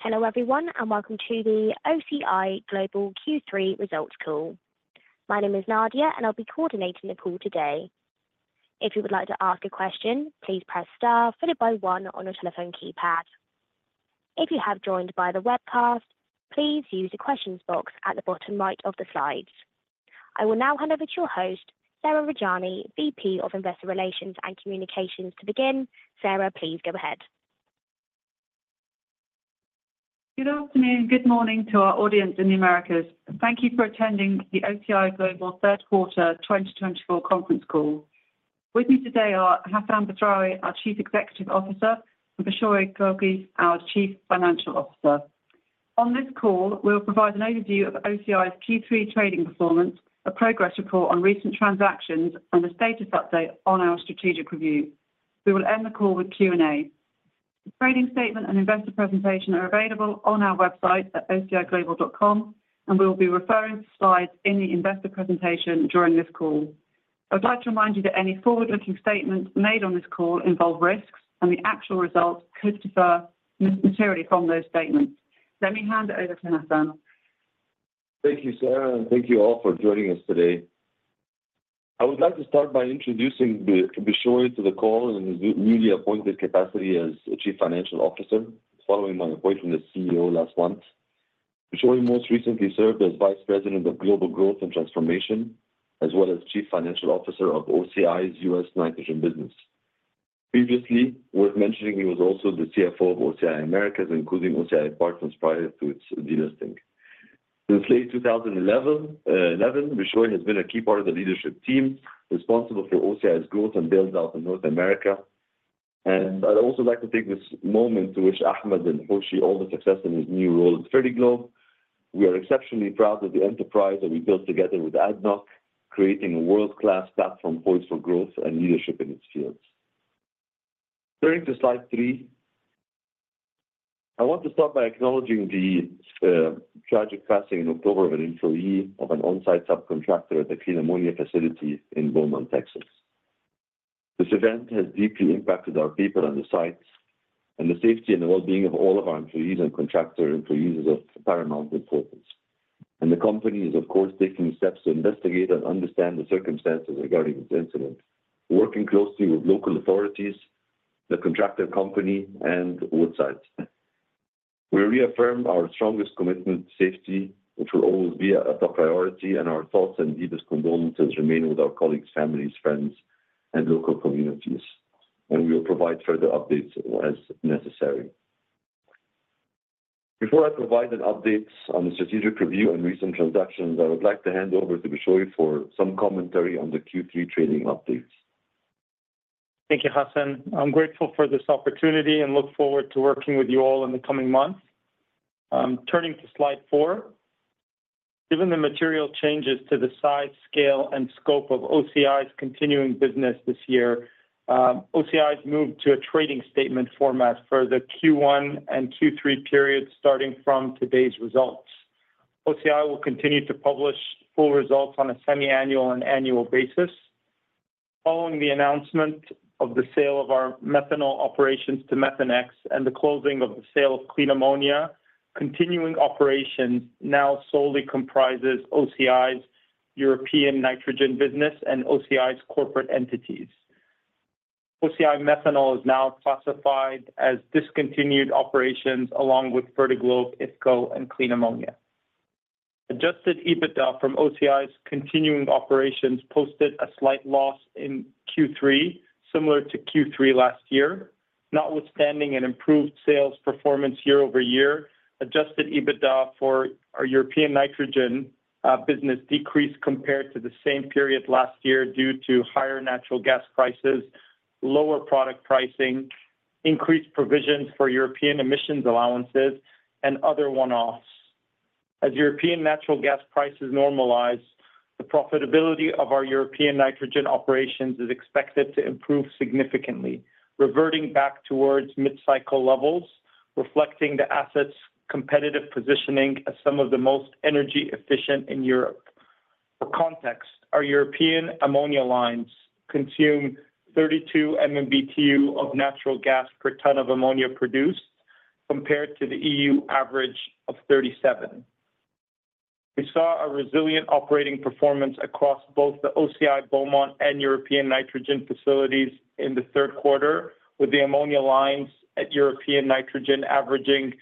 Hello everyone and welcome to the OCI Global Q3 Results Call. My name is Nadia and I'll be coordinating the call today. If you would like to ask a question, please press star followed by one on your telephone keypad. If you have joined via the webcast, please use the questions box at the bottom right of the slides. I will now hand over to your host, Sarah Rajani, VP of Investor Relations and Communications, to begin. Sarah, please go ahead. Good afternoon and good morning to our audience in the Americas. Thank you for attending the OCI Global Q3 2024 conference call. With me today are Hassan Badrawi, our Chief Executive Officer, and Beshoy Guirguis, our Chief Financial Officer. On this call, we will provide an overview of OCI's Q3 trading performance, a progress report on recent transactions, and a status update on our strategic review. We will end the call with Q&A. The trading statement and investor presentation are available on our website at ociglobal.com, and we will be referring to slides in the investor presentation during this call. I would like to remind you that any forward-looking statements made on this call involve risks, and the actual results could differ materially from those statements. Let me hand it over to Hassan. Thank you, Sarah, and thank you all for joining us today. I would like to start by introducing Beshoy to the call in his newly appointed capacity as Chief Financial Officer, following my appointment as CEO last month. Beshoy most recently served as Vice President of Global Growth and Transformation, as well as Chief Financial Officer of OCI's U.S. nitrogen business. Previously, worth mentioning, he was also the CFO of OCI Americas, including OCI Partners prior to its delisting. Since late 2011, Beshoy has been a key part of the leadership team responsible for OCI's growth and build-out in North America. And I'd also like to take this moment to wish Ahmed El-Hoshy all the success in his new role at Fertiglobe. We are exceptionally proud of the enterprise that we built together with ADNOC, creating a world-class platform poised for growth and leadership in its fields. Turning to slide three, I want to start by acknowledging the tragic passing in October of an employee of an on-site subcontractor at the Clean Ammonia Facility in Beaumont, Texas. This event has deeply impacted our people on the sites, and the safety and well-being of all of our employees and contractor employees is of paramount importance, and the company is, of course, taking steps to investigate and understand the circumstances regarding this incident, working closely with local authorities, the contractor company, and Woodside. We reaffirm our strongest commitment to safety, which will always be a top priority, and our thoughts and deepest condolences remain with our colleagues, families, friends, and local communities, and we will provide further updates as necessary. Before I provide an update on the strategic review and recent transactions, I would like to hand over to Beshoy for some commentary on the Q3 trading updates. Thank you, Hassan. I'm grateful for this opportunity and look forward to working with you all in the coming months. Turning to slide four, given the material changes to the size, scale, and scope of OCI's continuing business this year, OCI has moved to a trading statement format for the Q1 and Q3 periods starting from today's results. OCI will continue to publish full results on a semi-annual and annual basis. Following the announcement of the sale of our methanol operations to Methanex and the closing of the sale of Clean Ammonia, continuing operations now solely comprises OCI's European nitrogen business and OCI's corporate entities. OCI Methanol is now classified as discontinued operations along with Fertiglobe, IFCo, and Clean Ammonia. Adjusted EBITDA from OCI's continuing operations posted a slight loss in Q3, similar to Q3 last year. Notwithstanding an improved sales performance year over year, Adjusted EBITDA for our European nitrogen business decreased compared to the same period last year due to higher natural gas prices, lower product pricing, increased provisions for European emissions allowances, and other one-offs. As European natural gas prices normalize, the profitability of our European nitrogen operations is expected to improve significantly, reverting back towards mid-cycle levels, reflecting the asset's competitive positioning as some of the most energy-efficient in Europe. For context, our European ammonia lines consume 32 MMBtu of natural gas per ton of ammonia produced, compared to the EU average of 37. We saw a resilient operating performance across both the OCI Beaumont and European nitrogen facilities in the Q3, with the ammonia lines at European nitrogen averaging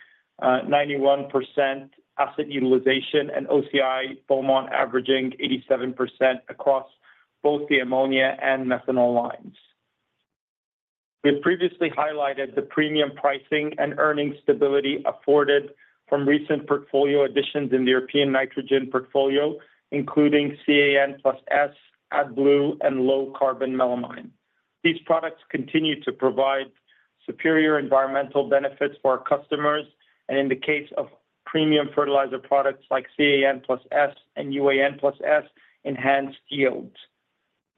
91% asset utilization and OCI Beaumont averaging 87% across both the ammonia and methanol lines. We've previously highlighted the premium pricing and earning stability afforded from recent portfolio additions in the European nitrogen portfolio, including CAN+S, AdBlue, and low-carbon melamine. These products continue to provide superior environmental benefits for our customers, and in the case of premium fertilizer products like CAN+S and UAN+S, enhanced yields.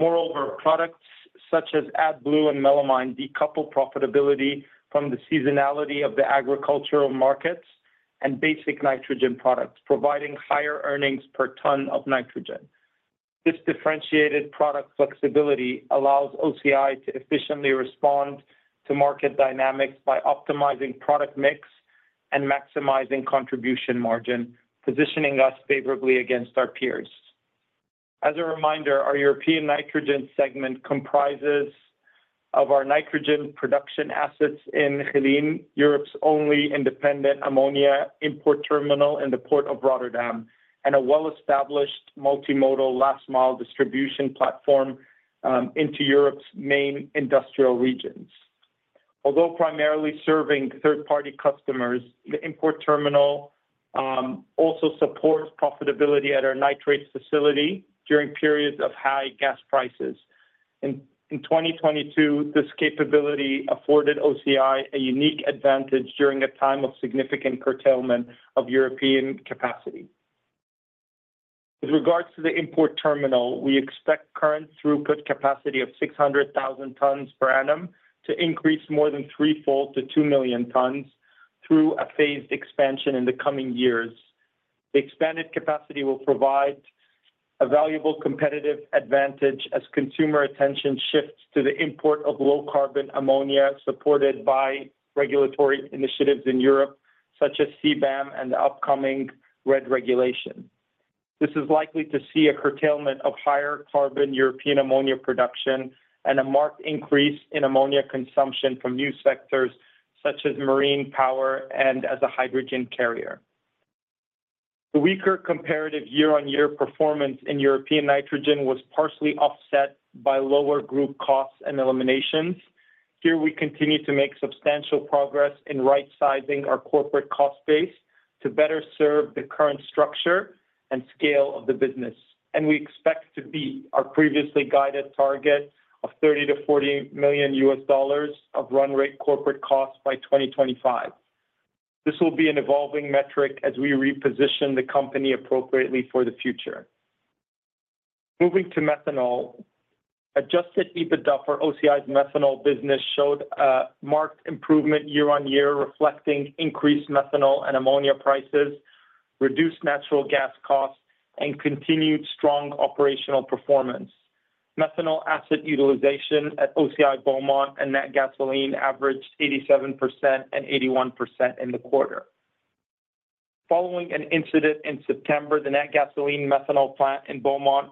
Moreover, products such as AdBlue and melamine decouple profitability from the seasonality of the agricultural markets and basic nitrogen products, providing higher earnings per ton of nitrogen. This differentiated product flexibility allows OCI to efficiently respond to market dynamics by optimizing product mix and maximizing contribution margin, positioning us favorably against our peers. As a reminder, our European nitrogen segment comprises of our nitrogen production assets in Geleen, Europe's only independent ammonia import terminal in the Port of Rotterdam, and a well-established multimodal last-mile distribution platform into Europe's main industrial regions. Although primarily serving third-party customers, the import terminal also supports profitability at our nitrate facility during periods of high gas prices. In 2022, this capability afforded OCI a unique advantage during a time of significant curtailment of European capacity. With regards to the import terminal, we expect current throughput capacity of 600,000 tons per annum to increase more than threefold to 2 million tons through a phased expansion in the coming years. The expanded capacity will provide a valuable competitive advantage as consumer attention shifts to the import of low-carbon ammonia supported by regulatory initiatives in Europe, such as CBAM and the upcoming RED regulation. This is likely to see a curtailment of higher carbon European ammonia production and a marked increase in ammonia consumption from new sectors such as marine power and as a hydrogen carrier. The weaker comparative year-on-year performance in European nitrogen was partially offset by lower group costs and eliminations. Here, we continue to make substantial progress in right-sizing our corporate cost base to better serve the current structure and scale of the business, and we expect to beat our previously guided target of $30 to 40 million of run-rate corporate costs by 2025. This will be an evolving metric as we reposition the company appropriately for the future. Moving to methanol, Adjusted EBITDA for OCI's methanol business showed a marked improvement year-on-year, reflecting increased methanol and ammonia prices, reduced natural gas costs, and continued strong operational performance. Methanol asset utilization at OCI Beaumont and Nat Gasoline averaged 87% and 81% in the quarter. Following an incident in September, the Nat Gasoline methanol plant in Beaumont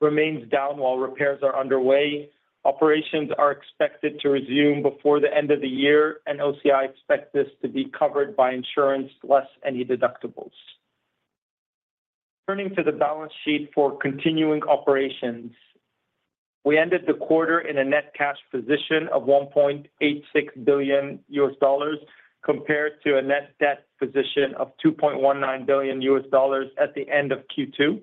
remains down while repairs are underway. Operations are expected to resume before the end of the year, and OCI expects this to be covered by insurance, less any deductibles. Turning to the balance sheet for continuing operations, we ended the quarter in a net cash position of $1.86 billion compared to a net debt position of $2.19 billion at the end of Q2.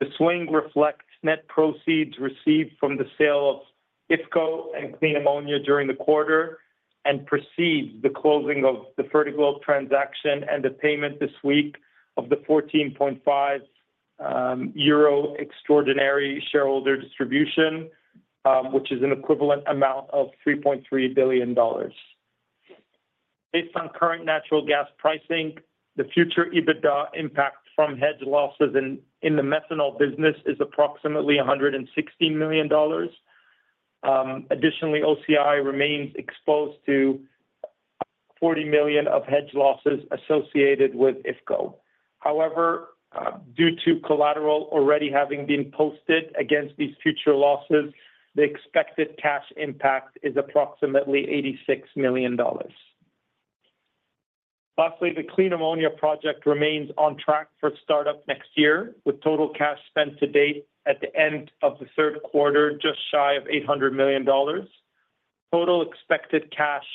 The swing reflects net proceeds received from the sale of Ithaco and Clean Ammonia during the quarter and precedes the closing of the Fertiglobe transaction and the payment this week of the 14.5 euro extraordinary shareholder distribution, which is an equivalent amount of $3.3 billion. Based on current natural gas pricing, the future EBITDA impact from hedge losses in the methanol business is approximately $160 million. Additionally, OCI remains exposed to $40 million of hedge losses associated with Ithaco. However, due to collateral already having been posted against these future losses, the expected cash impact is approximately $86 million. Lastly, the Clean Ammonia project remains on track for startup next year, with total cash spent to date at the end of the Q3 just shy of $800 million. Total expected cash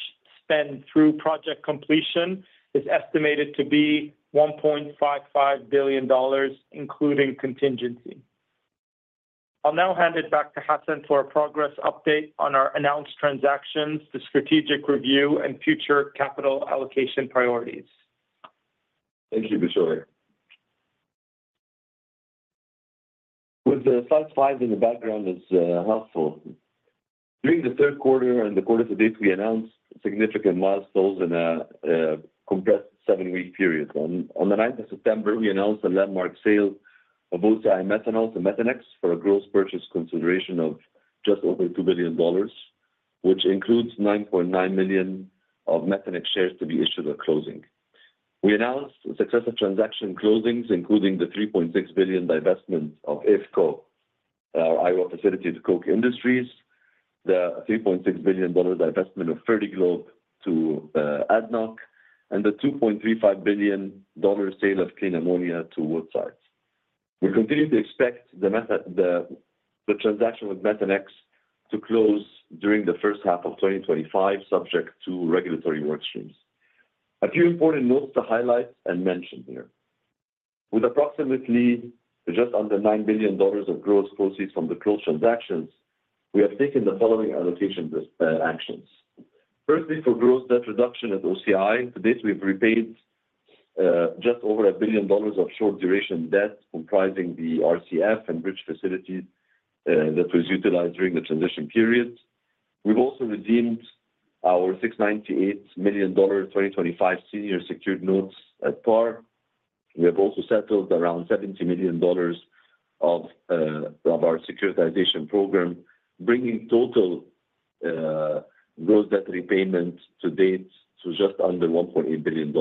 spent through project completion is estimated to be $1.55 billion, including contingency. I'll now hand it back to Hassan for a progress update on our announced transactions, the strategic review, and future capital allocation priorities. Thank you, Beshoy. With the slides in the background, it's helpful. During the Q3 and the quarter to date, we announced significant milestones in a compressed seven-week period. On the 9th of September, we announced a landmark sale of OCI Methanol to Methanex for a gross purchase consideration of just over $2 billion, which includes 9.9 million of Methanex shares to be issued at closing. We announced successive transaction closings, including the $3.6 billion divestment of IFCo, our Iowa facility to Koch Industries, the $3.6 billion divestment of Fertiglobe to ADNOC, and the $2.35 billion sale of Clean Ammonia to Woodside. We continue to expect the transaction with Methanex to close during the first half of 2025, subject to regulatory workstreams. A few important notes to highlight and mention here. With approximately just under $9 billion of gross proceeds from the closed transactions, we have taken the following allocation actions. Firstly, for gross debt reduction at OCI, to date, we've repaid just over $1 billion of short-duration debt comprising the RCF and bridge facility that was utilized during the transition period. We've also redeemed our $698 million 2025 senior secured notes at par. We have also settled around $70 million of our securitization program, bringing total gross debt repayment to date to just under $1.8 billion.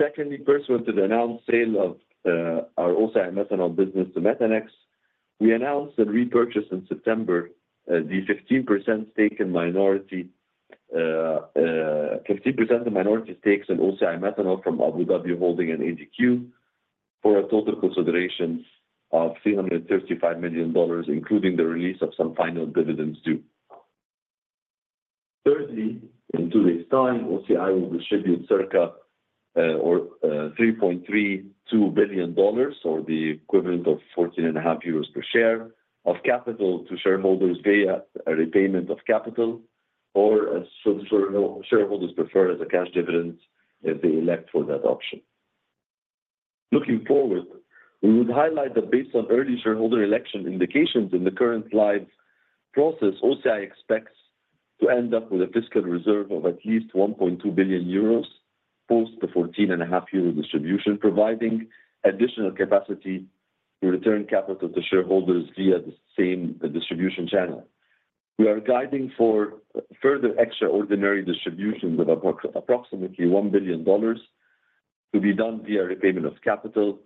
Secondly, pursuant to the announced sale of our OCI Methanol business to Methanex, we announced and repurchased in September the 15% minority stake in OCI Methanol from ADQ for a total consideration of $335 million, including the release of some final dividends due. Thirdly, in two days' time, OCI will distribute circa $3.32 billion, or the equivalent of 14.5 euros per share, of capital to shareholders via a repayment of capital, or as shareholders prefer as a cash dividend if they elect for that option. Looking forward, we would highlight that based on early shareholder election indications in the current slides process, OCI expects to end up with a fiscal reserve of at least 1.2 billion euros post the 14.5 euro distribution, providing additional capacity to return capital to shareholders via the same distribution channel. We are guiding for further extraordinary distributions of approximately $1 billion to be done via repayment of capital,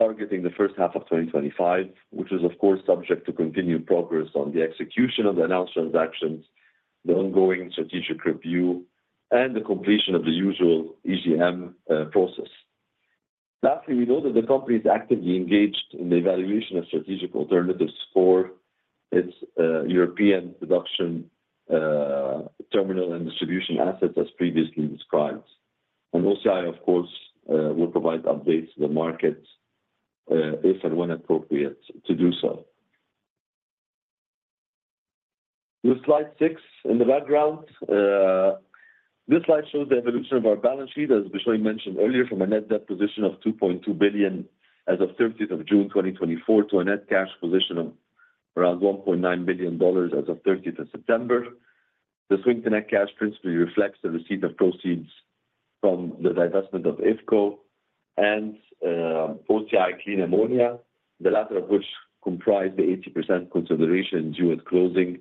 targeting the first half of 2025, which is, of course, subject to continued progress on the execution of the announced transactions, the ongoing strategic review, and the completion of the usual EGM process. Lastly, we know that the company is actively engaged in the evaluation of strategic alternatives for its European production terminal and distribution assets, as previously described, and OCI, of course, will provide updates to the market if and when appropriate to do so. With slide six in the background, this slide shows the evolution of our balance sheet, as Beshoy mentioned earlier, from a net debt position of $2.2 billion as of 30th of June 2024 to a net cash position of around $1.9 billion as of 30th of September. The swing to net cash principally reflects the receipt of proceeds from the divestment of Ithaco and OCI Clean Ammonia, the latter of which comprised the 80% consideration due at closing,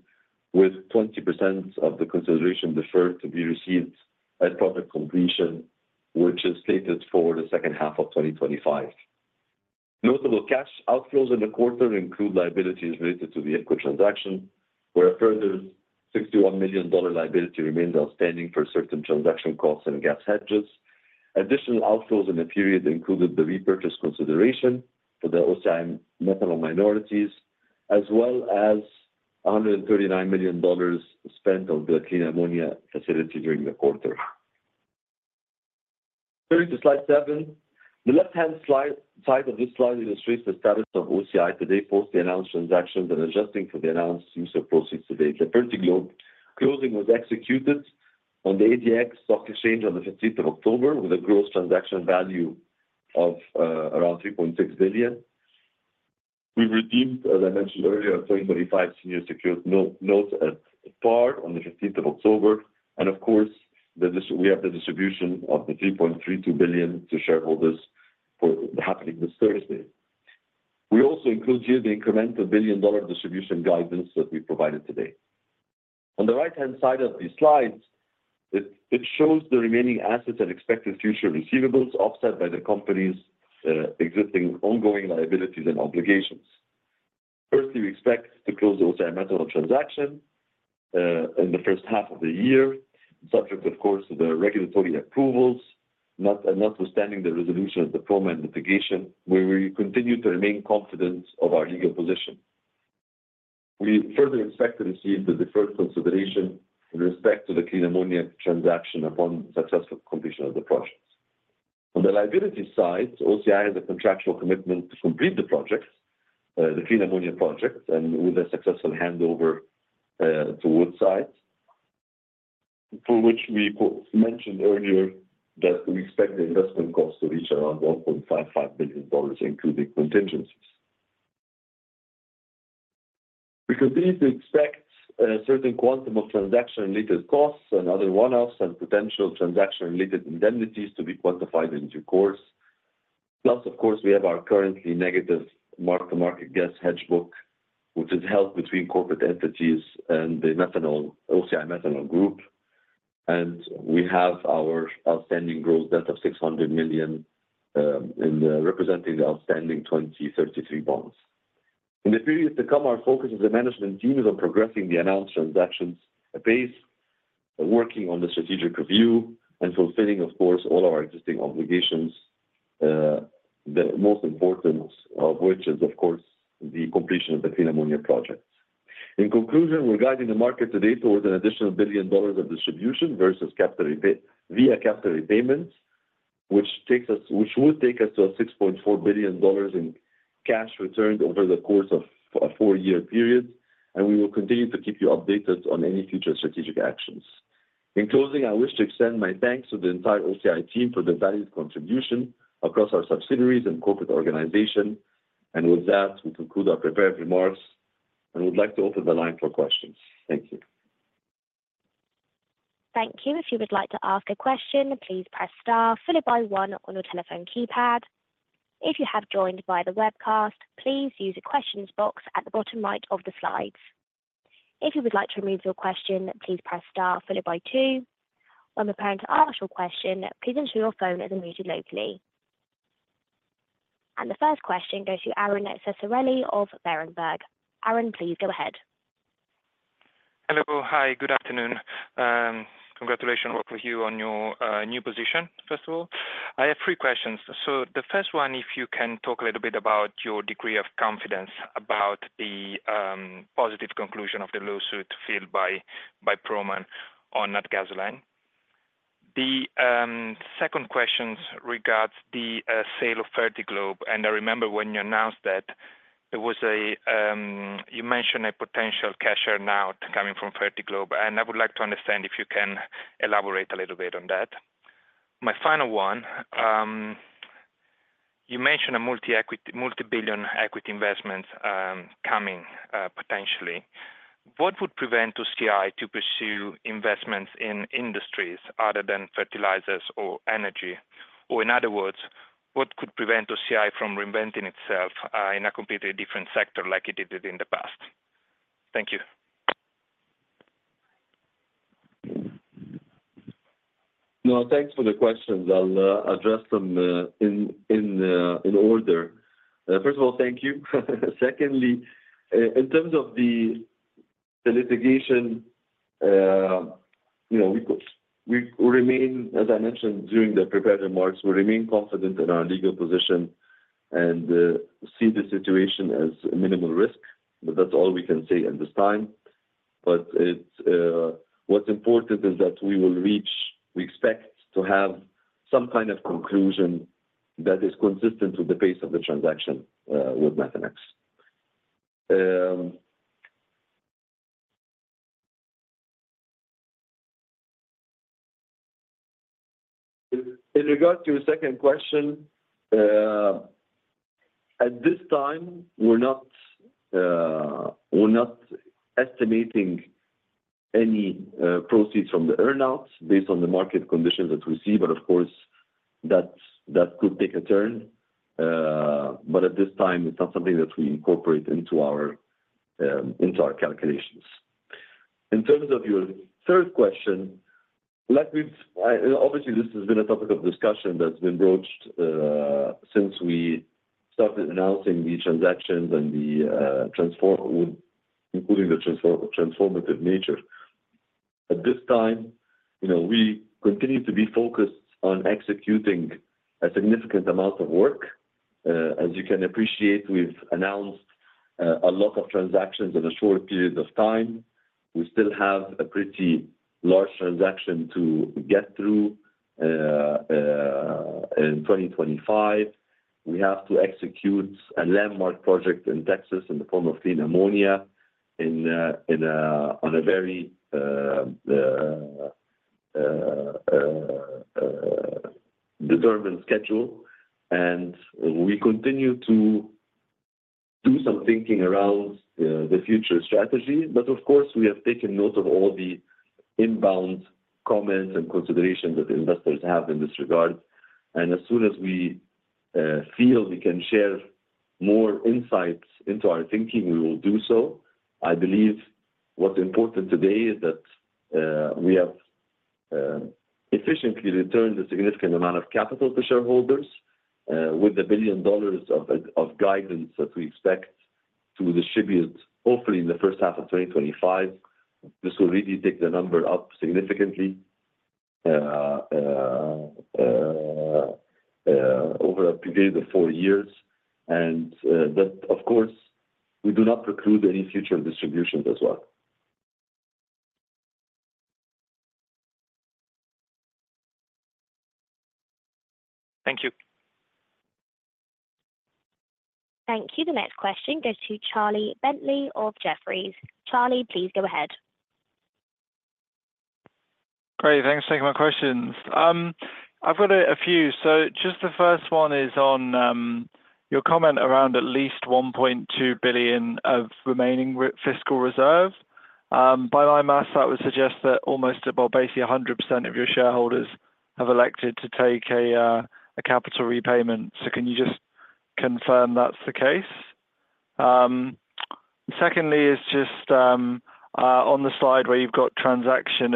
with 20% of the consideration deferred to be received at project completion, which is slated for the second half of 2025. Notable cash outflows in the quarter include liabilities related to the Ithaco transaction, where a further $61 million liability remains outstanding for certain transaction costs and gas hedges. Additional outflows in the period included the repurchase consideration for the OCI Methanol minorities, as well as $139 million spent on the Clean Ammonia facility during the quarter. Turning to slide seven, the left-hand side of this slide illustrates the status of OCI today post the announced transactions and adjusting for the announced use of proceeds to date. The Fertiglobe closing was executed on the ADX stock exchange on the 15th of October, with a gross transaction value of around $3.6 billion. We've redeemed, as I mentioned earlier, a 2025 senior secured note at par on the 15th of October, and of course, we have the distribution of the $3.32 billion to shareholders happening this Thursday. We also include here the incremental $1 billion distribution guidance that we provided today. On the right-hand side of these slides, it shows the remaining assets and expected future receivables offset by the company's existing ongoing liabilities and obligations. Firstly, we expect to close the OCI Methanol transaction in the first half of the year, subject, of course, to the regulatory approvals, notwithstanding the resolution of the Proman litigation, where we continue to remain confident of our legal position. We further expect to receive the deferred consideration with respect to the Clean Ammonia transaction upon successful completion of the project. On the liability side, OCI has a contractual commitment to complete the project, the Clean Ammonia project, and with a successful handover to Woodside, for which we mentioned earlier that we expect the investment cost to reach around $1.55 billion, including contingencies. We continue to expect a certain quantum of transaction-related costs and other one-offs and potential transaction-related indemnities to be quantified in due course. Plus, of course, we have our currently negative mark-to-market gas hedge book, which is held between corporate entities and the OCI Methanol group, and we have our outstanding gross debt of $600 million representing the outstanding 2033 bonds. In the period to come, our focus as a management team is on progressing the announced transactions base, working on the strategic review, and fulfilling, of course, all our existing obligations, the most important of which is, of course, the completion of the Clean Ammonia project. In conclusion, we're guiding the market today towards an additional $1 billion of distribution versus via capital repayment, which would take us to a $6.4 billion in cash returned over the course of a four-year period, and we will continue to keep you updated on any future strategic actions. In closing, I wish to extend my thanks to the entire OCI team for their valued contribution across our subsidiaries and corporate organization, and with that, we conclude our prepared remarks and would like to open the line for questions. Thank you. Thank you. If you would like to ask a question, please press star followed by one on your telephone keypad. If you have joined via the webcast, please use the questions box at the bottom right of the slides. If you would like to remove your question, please press star followed by two. When we're preparing to ask your question, please ensure your phone is muted locally. And the first question goes to Aron Ceccarelli of Berenberg. Aron, please go ahead. Hello. Hi. Good afternoon. Congratulations on working with you on your new position, first of all. I have three questions. So the first one, if you can talk a little bit about your degree of confidence about the positive conclusion of the lawsuit filed by Proman on Nat Gasoline. The second question regards the sale of Fertiglobe, and I remember when you announced that, you mentioned a potential cash earn-out coming from Fertiglobe, and I would like to understand if you can elaborate a little bit on that. My final one, you mentioned a multi-billion equity investment coming potentially. What would prevent OCI to pursue investments in industries other than fertilizers or energy? Or in other words, what could prevent OCI from reinventing itself in a completely different sector like it did in the past? Thank you. No, thanks for the questions. I'll address them in order. First of all, thank you. Secondly, in terms of the litigation, we remain, as I mentioned during the prepared remarks, we remain confident in our legal position and see the situation as minimal risk, but that's all we can say at this time, but what's important is that we will reach we expect to have some kind of conclusion that is consistent with the pace of the transaction with Methanex. In regards to your second question, at this time, we're not estimating any proceeds from the earn-outs based on the market conditions that we see, but of course, that could take a turn, but at this time, it's not something that we incorporate into our calculations. In terms of your third question, obviously, this has been a topic of discussion that's been broached since we started announcing the transactions and the transformation, including the transformative nature. At this time, we continue to be focused on executing a significant amount of work. As you can appreciate, we've announced a lot of transactions in a short period of time. We still have a pretty large transaction to get through in 2025. We have to execute a landmark project in Texas in the form of Clean Ammonia on a very determined schedule, and we continue to do some thinking around the future strategy, but of course, we have taken note of all the inbound comments and considerations that investors have in this regard, and as soon as we feel we can share more insights into our thinking, we will do so. I believe what's important today is that we have efficiently returned a significant amount of capital to shareholders with $1 billion of guidance that we expect to distribute, hopefully, in the first half of 2025. This will really take the number up significantly over a period of four years. And of course, we do not preclude any future distributions as well. Thank you. Thank you. The next question goes to Charlie Bentley of Jefferies. Charlie, please go ahead. Great. Thanks for taking my questions. I've got a few. So just the first one is on your comment around at least $1.2 billion of remaining fiscal reserve. By my maths, that would suggest that almost, well, basically 100% of your shareholders have elected to take a capital repayment. So can you just confirm that's the case? Secondly, it's just on the slide where you've got transaction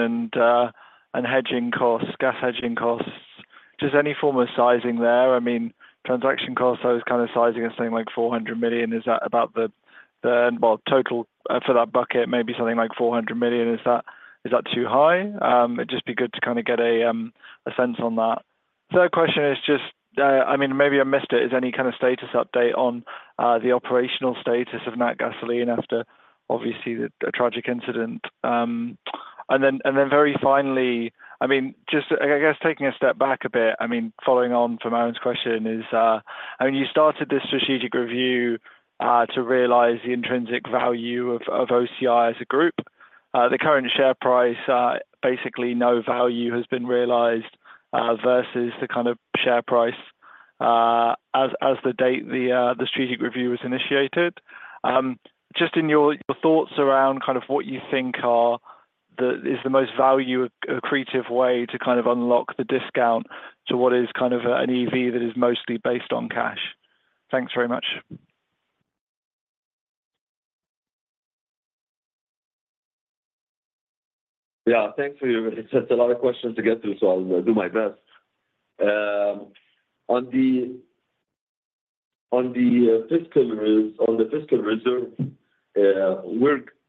and hedging costs, gas hedging costs. Just any form of sizing there? I mean, transaction costs, I was kind of sizing as something like $400 million. Is that about the, well, total for that bucket, maybe something like $400 million? Is that too high? It'd just be good to kind of get a sense on that. Third question is just, I mean, maybe I missed it. Is there any kind of status update on the operational status of Nat Gasoline after, obviously, the tragic incident? And then very finally, I mean, just, I guess, taking a step back a bit, I mean, following on from Aron question is, I mean, you started this strategic review to realize the intrinsic value of OCI as a group. The current share price, basically no value has been realized versus the kind of share price as the strategic review was initiated. Just in your thoughts around kind of what you think is the most value-accretive way to kind of unlock the discount to what is kind of an EV that is mostly based on cash? Thanks very much. Yeah. Thanks for your. It's a lot of questions to get through, so I'll do my best. On the fiscal reserve,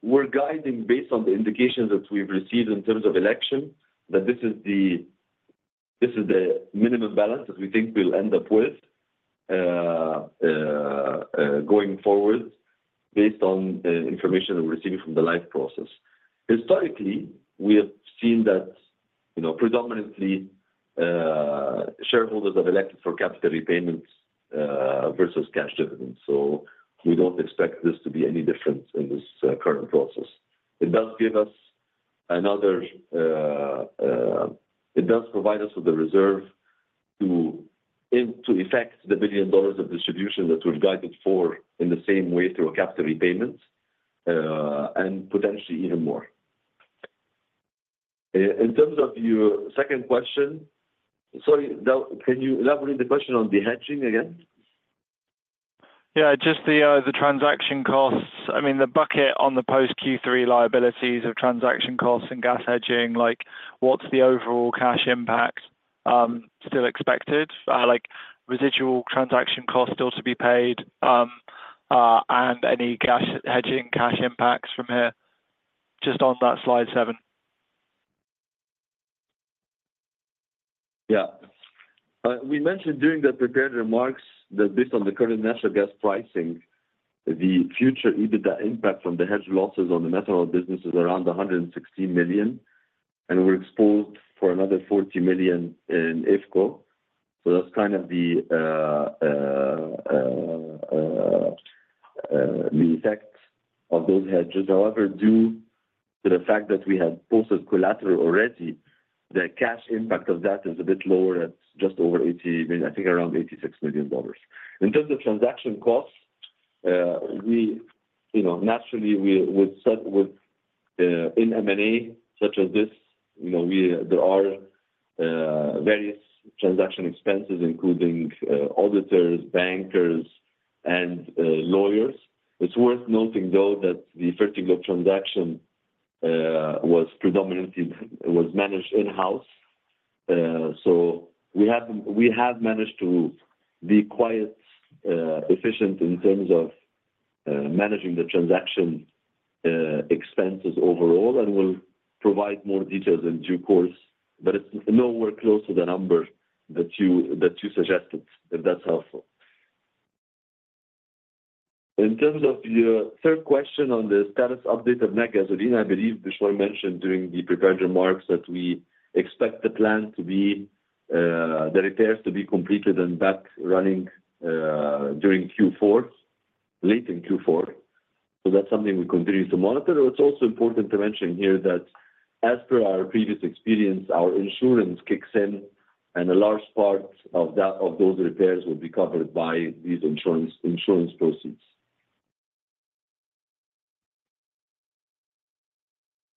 we're guiding based on the indications that we've received in terms of election, that this is the minimum balance that we think we'll end up with going forward based on the information that we're receiving from the live process. Historically, we have seen that predominantly shareholders have elected for capital repayments versus cash dividends, so we don't expect this to be any different in this current process. It does provide us with a reserve to effect the $1 billion of distribution that we've guided for in the same way through a capital repayment and potentially even more. In terms of your second question, sorry, can you elaborate the question on the hedging again? Yeah. Just the transaction costs. I mean, the bucket on the post Q3 liabilities of transaction costs and gas hedging, what's the overall cash impact still expected? Residual transaction costs still to be paid and any hedging cash impacts from here? Just on that slide seven. Yeah. We mentioned during the prepared remarks that based on the current natural gas pricing, the future EBITDA impact from the hedge losses on the methanol business is around $116 million, and we're exposed for another $40 million in IFCo. So that's kind of the effect of those hedges. However, due to the fact that we had posted collateral already, the cash impact of that is a bit lower at just over $80 million, I think around $86 million. In terms of transaction costs, naturally, in M&A such as this, there are various transaction expenses, including auditors, bankers, and lawyers. It's worth noting, though, that the Fertiglobe transaction was managed in-house. So we have managed to be quite efficient in terms of managing the transaction expenses overall, and we'll provide more details in due course. But it's nowhere close to the number that you suggested, if that's helpful. In terms of your third question on the status update of Nat Gasoline, I believe Beshoy mentioned during the prepared remarks that we expect the plant to be repaired and back running during Q4, late in Q4. So that's something we continue to monitor. It's also important to mention here that, as per our previous experience, our insurance kicks in, and a large part of those repairs will be covered by these insurance proceeds.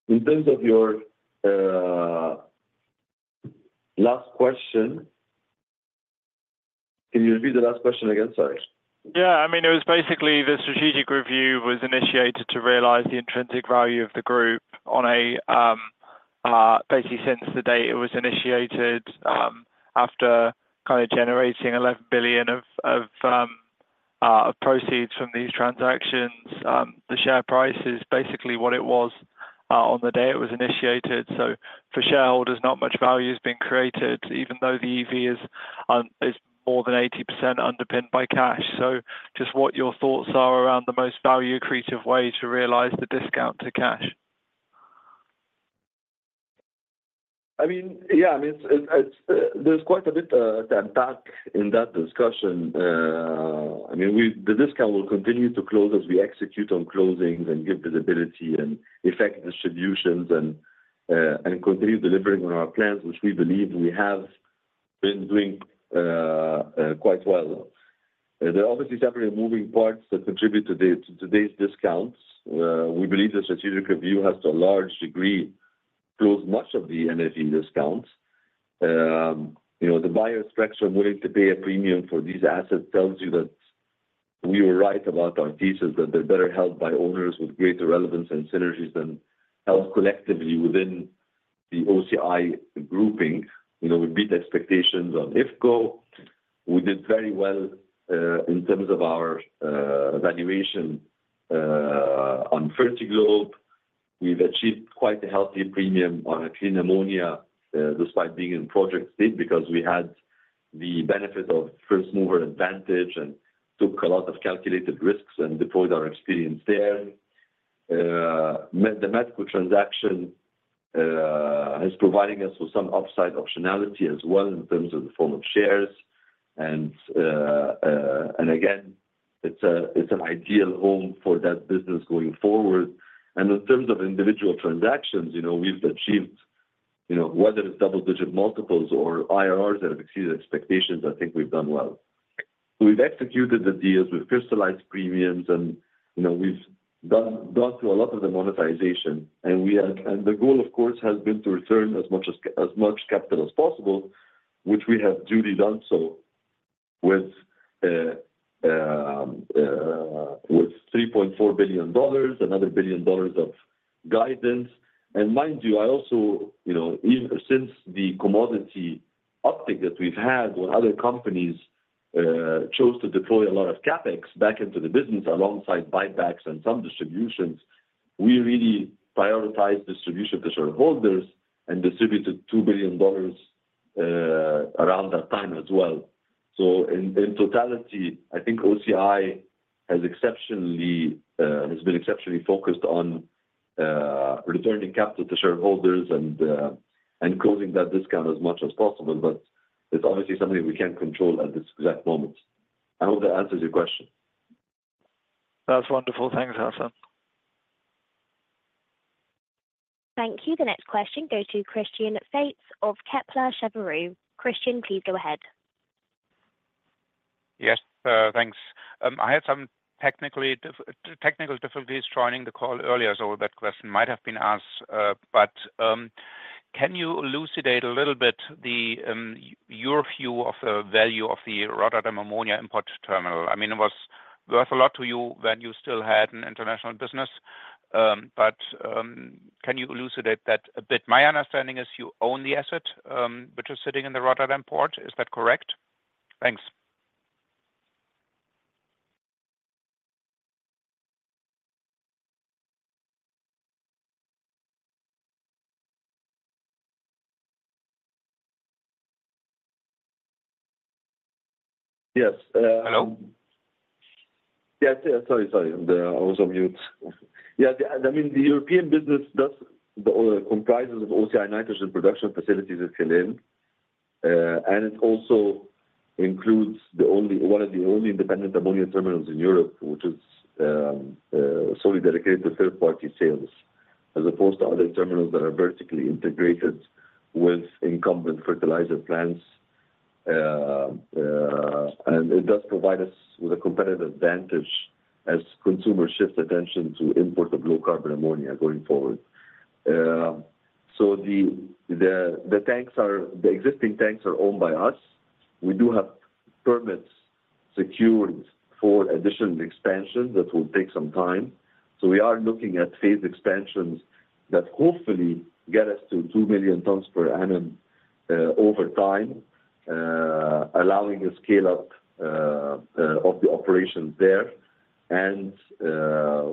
In terms of your last question, can you repeat the last question again? Sorry. Yeah. I mean, it was basically the strategic review was initiated to realize the intrinsic value of the group. And basically since the day it was initiated, after kind of generating $11 billion of proceeds from these transactions, the share price is basically what it was on the day it was initiated. So for shareholders, not much value has been created, even though the EV is more than 80% underpinned by cash. So just what your thoughts are around the most value-accretive way to realize the discount to cash? I mean, yeah. I mean, there's quite a bit to unpack in that discussion. I mean, the discount will continue to close as we execute on closings and give visibility and effect distributions and continue delivering on our plans, which we believe we have been doing quite well. There are obviously several moving parts that contribute to today's discounts. We believe the strategic review has, to a large degree, closed much of the NAV discounts. The buyer's structure willing to pay a premium for these assets tells you that we were right about our thesis, that they're better held by owners with greater relevance and synergies than held collectively within the OCI grouping. We beat expectations on IFCo. We did very well in terms of our valuation on Fertiglobe. We've achieved quite a healthy premium on Clean Ammonia despite being in project stage because we had the benefit of first-mover advantage and took a lot of calculated risks and deployed our experience there. The Methanex transaction is providing us with some upside optionality as well in terms of the form of shares. It is again an ideal home for that business going forward. In terms of individual transactions, we've achieved, whether it's double-digit multiples or IRRs that have exceeded expectations, I think we've done well. We've executed the deals. We've crystallized premiums, and we've gone through a lot of the monetization. The goal, of course, has been to return as much capital as possible, which we have duly done so with $3.4 billion, another $1 billion of guidance. And mind you, I also, since the commodity uptick that we've had when other companies chose to deploy a lot of CapEx back into the business alongside buybacks and some distributions, we really prioritized distribution to shareholders and distributed $2 billion around that time as well. So in totality, I think OCI has been exceptionally focused on returning capital to shareholders and closing that discount as much as possible. But it's obviously something we can't control at this exact moment. I hope that answers your question. That's wonderful. Thanks, Hassan. Thank you. The next question goes to Christian Faitz of Kepler Cheuvreux. Christian, please go ahead. Yes. Thanks. I had some technical difficulties joining the call earlier, so that question might have been asked. But can you elucidate a little bit your view of the value of the Rotterdam ammonia import terminal? I mean, it was worth a lot to you when you still had an international business. But can you elucidate that a bit? My understanding is you own the asset, which is sitting in the Rotterdam port. Is that correct? Thanks. Yes. Hello? Yes. Sorry, sorry. I was on mute. Yeah. I mean, the European business comprises of OCI Nitrogen production facilities in Geleen, and it also includes one of the only independent ammonia terminals in Europe, which is solely dedicated to third-party sales, as opposed to other terminals that are vertically integrated with incumbent fertilizer plants, and it does provide us with a competitive advantage as consumers shift attention to import of low-carbon ammonia going forward, so the existing tanks are owned by us. We do have permits secured for additional expansion that will take some time, so we are looking at phased expansions that hopefully get us to 2 million tons per annum over time, allowing a scale-up of the operations there, and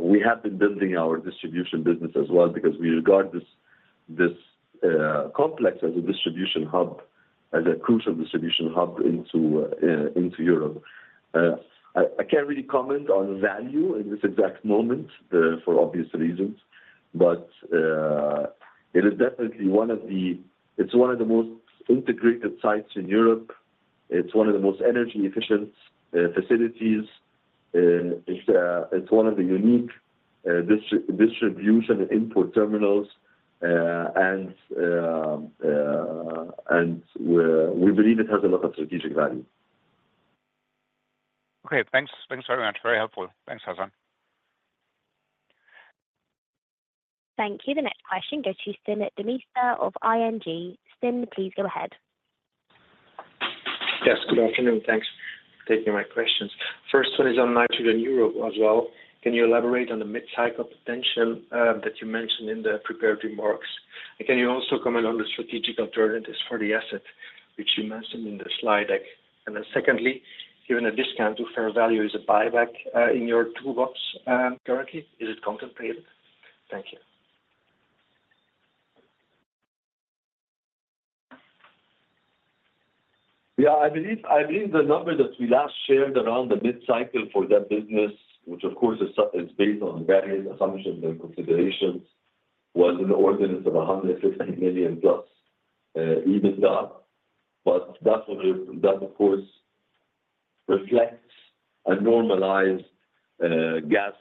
we have been building our distribution business as well because we regard this complex as a distribution hub, as a crucial distribution hub into Europe. I can't really comment on value in this exact moment for obvious reasons, but it is definitely one of the. It's one of the most integrated sites in Europe. It's one of the most energy-efficient facilities. It's one of the unique distribution and import terminals, and we believe it has a lot of strategic value. Okay. Thanks very much. Very helpful. Thanks, Hassan. Thank you. The next question goes to Stijn Demeester of ING. Stijn, please go ahead. Yes. Good afternoon. Thanks for taking my questions. First one is on nitrogen Europe as well. Can you elaborate on the mid-cycle potential that you mentioned in the prepared remarks? And can you also comment on the strategic alternatives for the asset, which you mentioned in the slide? And then secondly, given the discount to fair value, is a buyback in your toolbox currently? Is it contemplated? Thank you. Yeah. I believe the number that we last shared around the mid-cycle for that business, which, of course, is based on various assumptions and considerations, was in the order of 115 million plus EBITDA. But that, of course, reflects a normalized gas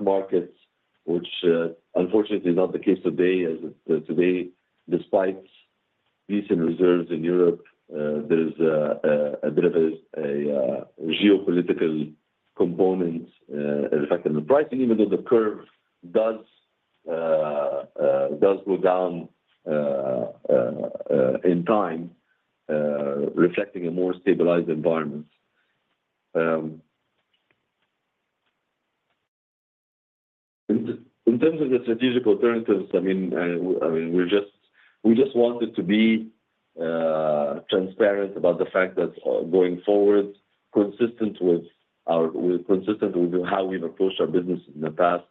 market, which, unfortunately, is not the case today. Despite decent reserves in Europe, there's a bit of a geopolitical component affecting the pricing, even though the curve does go down in time, reflecting a more stabilized environment. In terms of the strategic alternatives, I mean, we just wanted to be transparent about the fact that going forward, consistent with how we've approached our business in the past,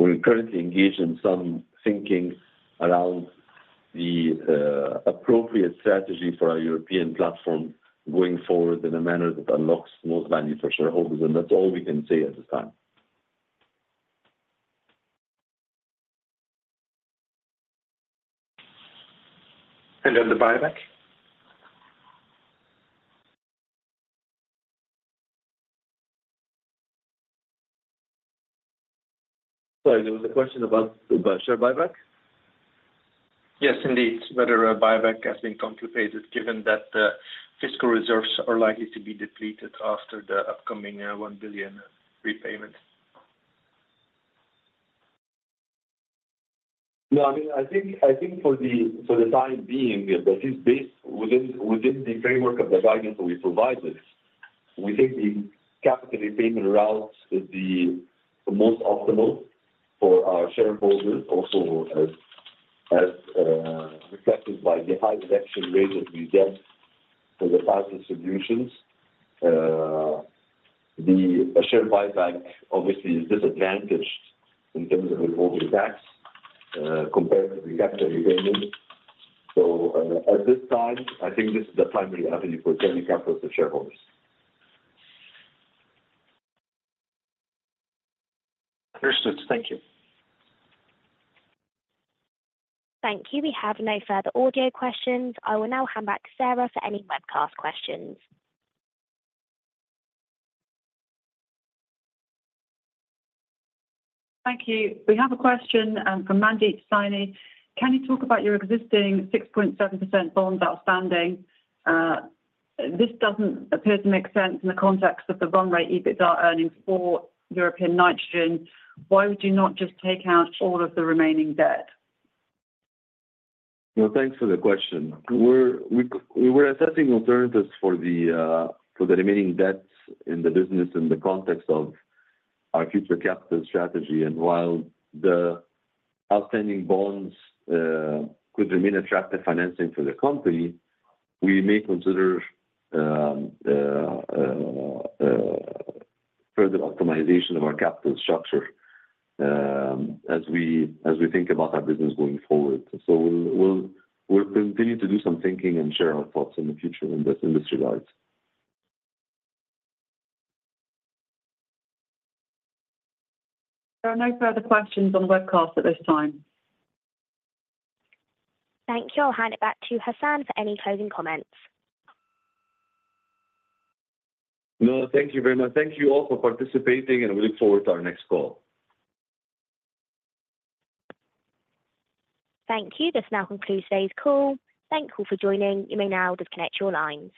we're currently engaged in some thinking around the appropriate strategy for our European platform going forward in a manner that unlocks most value for shareholders. And that's all we can say at this time. And then the buyback? Sorry. There was a question about share buyback? Yes, indeed. Whether a buyback has been contemplated, given that the fiscal reserves are likely to be depleted after the upcoming $1 billion repayment? No. I mean, I think for the time being, that is based within the framework of the guidance we provided. We think the capital repayment route is the most optimal for our shareholders, also reflected by the high redemption rate that we get for the past distributions. The share buyback, obviously, is disadvantaged in terms of withholding tax compared to the capital repayment. So at this time, I think this is the primary avenue for German companies and shareholders. Understood. Thank you. Thank you. We have no further audio questions. I will now hand back to Sarah for any webcast questions. Thank you. We have a question from Mandeep Saini. Can you talk about your existing 6.7% bond outstanding? This doesn't appear to make sense in the context of the run-rate EBITDA earnings for European nitrogen. Why would you not just take out all of the remaining debt? Thanks for the question. We were assessing alternatives for the remaining debts in the business in the context of our future capital strategy. While the outstanding bonds could remain attractive financing for the company, we may consider further optimization of our capital structure as we think about our business going forward. We'll continue to do some thinking and share our thoughts in the future on this industry-wise. There are no further questions on webcast at this time. Thank you. I'll hand it back to Hassan for any closing comments. No. Thank you very much. Thank you all for participating, and we look forward to our next call. Thank you. This now concludes today's call. Thank you all for joining. You may now disconnect your lines.